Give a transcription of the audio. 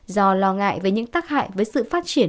do lo ngại về những tác hại với sự phát triển